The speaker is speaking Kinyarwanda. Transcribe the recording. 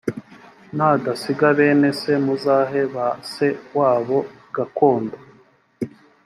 nadasiga bene se muzahe ba se wabo gakondo